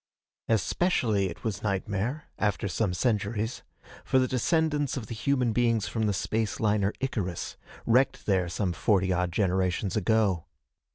Especially was it nightmare after some centuries for the descendants of the human beings from the space liner Icarus, wrecked there some forty odd generations ago.